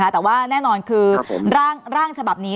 แต่ว่าแน่นอนคือร่างฉบับนี้